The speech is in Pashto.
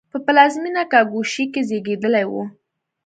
په پلازمېنه کاګوشی کې زېږېدلی و.